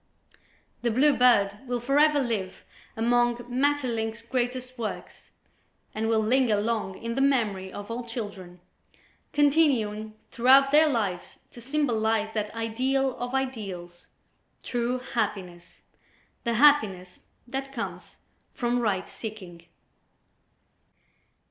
"The Blue Bird" will forever live among Maeterlinck's greatest works and will linger long in the memory of all children, continuing throughout their lives to symbolize that ideal of ideals, true happiness, the happiness that comes from right seeking.